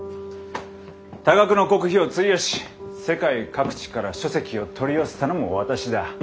多額の国費を費やし世界各地から書籍を取り寄せたのも私だ。